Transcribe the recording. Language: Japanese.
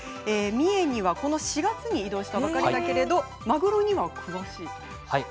三重にはこの４月に異動したばかりだけれどマグロには詳しいんですね。